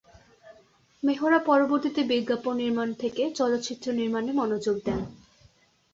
মেহরা পরবর্তীতে বিজ্ঞাপন নির্মাণ থেকে চলচ্চিত্র নির্মাণে মনোযোগ দেন।